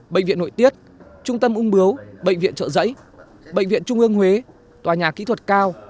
bệnh viện nội tiết trung tâm ung bướu bệnh viện trợ giấy bệnh viện trung ương huế tòa nhà kỹ thuật cao